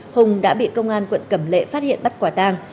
hùng đã bị công an quận cẩm lệ phát hiện bắt quả tang